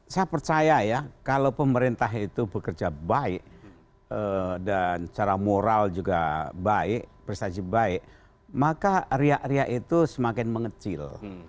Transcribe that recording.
saya percaya ya kalau pemerintah itu bekerja baik dan secara moral juga baik prestasi baik maka riak riak itu semakin mengecil